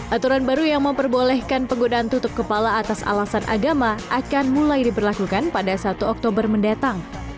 aturan baru yang memperbolehkan penggunaan tutup kepala atas alasan agama akan mulai diberlakukan pada satu oktober mendatang